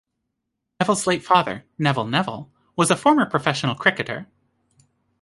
Neville's late father, Neville Neville, was a former professional cricketer.